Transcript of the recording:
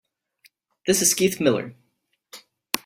This is Keith Miller.